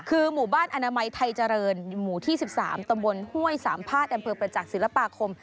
คือหมู่บ้านอนามัยไทยเจริญหมู่ที่๑๓ตำบลห้วยสามภาษณอำเภอประจักษ์ศิลปาคม